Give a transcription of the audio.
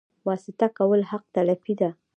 واسطه کول حق تلفي ده